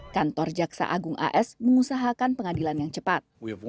kantor jaksa agung as mengusahakan pengadilan yang cepat